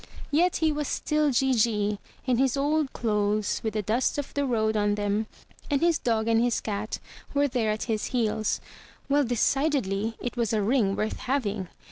Yet he was still Gigi, in his old clothes with the dust of the road on them; and his dog and his cat were there at his heels. Well, decidedly it was a ring worth having!